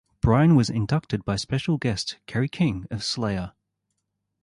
Brian was inducted by special guest Kerry King of Slayer.